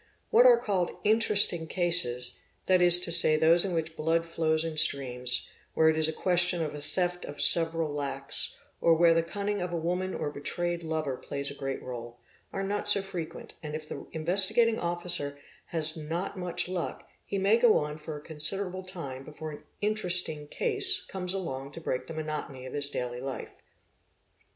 What are called "interesting _ cases'', that is to say, those in which blood flows in streams, where it is a question of a theft of several lacs, or where the cunning of a woman or betrayed lover plays a great role, are not so frequent, and if the Investigating Officer has not much luck, he may go on for a consider able time before an "interesting case'' comes along to break the monotony of his daily life.